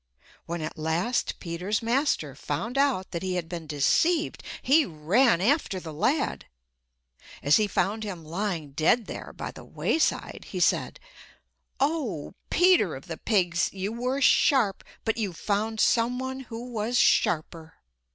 When at last Peter's master found out that he had been deceived he ran after the lad. As he found him lying dead there by the wayside, he said: "Oh, Peter of the pigs! You were sharp, but you found some one who was sharper."